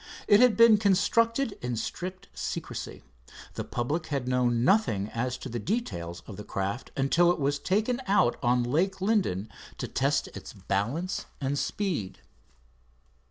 It had been constructed in strict secrecy. The public had known nothing as to the details of the craft until it was taken out on Lake Linden to test its balance and speed.